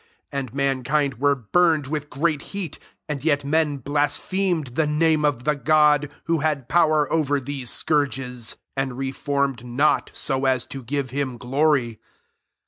9 And mankind were burned with great heat ; and yet men blasphemed the name of the God, who had power over these scourges ; and reformed not ao aa to give him glory.